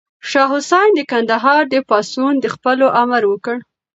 شاه حسين د کندهار د پاڅون د ځپلو امر وکړ.